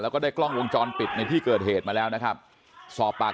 แล้วก็ได้กล้องวงจรปิดในที่เกิดเหตุมาแล้วนะครับสอบปาก